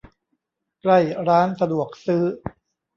ใกล้ร้านสะดวกซื้อ